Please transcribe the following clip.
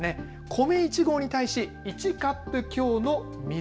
米１合に対し１カップ強の水。